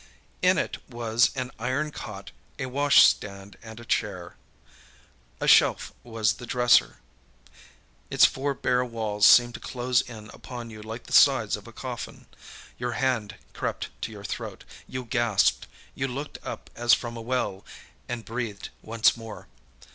In it was an iron cot, a washstand and a chair. A shelf was the dresser. Its four bare walls seemed to close in upon you like the sides of a coffin. Your hand crept to your throat, you gasped, you looked up as from a well—and breathed once more.